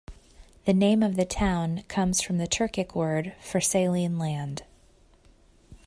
The name of the town comes from the Turkic word for saline land.